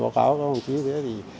báo cáo của công chí